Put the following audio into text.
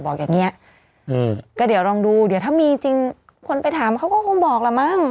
อย่างเงี้ยอืมก็เดี๋ยวลองดูเดี๋ยวถ้ามีจริงคนไปถามเขาก็คงบอกละมั้ง